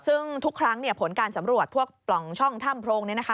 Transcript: ซึ่งทุกครั้งผลการสำรวจพวกช่องถ้ำโพงนี้นะคะ